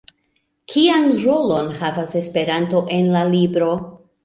Kian rolon havas Esperanto en la libro?